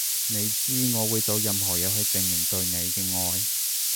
你知我會做任何嘢去證明對你嘅愛